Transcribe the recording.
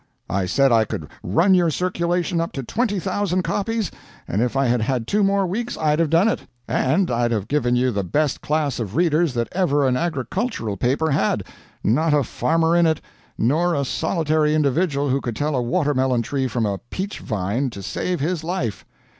I said I could run your circulation up to twenty thousand copies, and if I had had two more weeks I'd have done it. And I'd have given you the best class of readers that ever an agricultural paper had not a farmer in it, nor a solitary individual who could tell a watermelon tree from a peach vine to save his life.